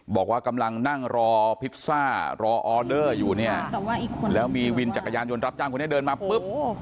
บอกว่ากำลังนั่งรอพิซซ่ารอออเดอร์อยู่เนี่ยแล้วมีวินจักรยานยนต์รับจ้างคนนี้เดินมาปุ๊บ